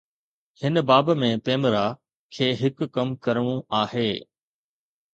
هن باب ۾ ”پيمرا“ کي هڪ ڪم ڪرڻو آهي.